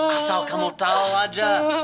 asal kamu tahu aja